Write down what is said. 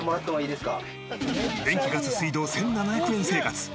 電気ガス水道１７００円生活。